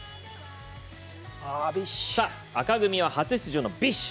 紅組は初出場のＢｉＳＨ。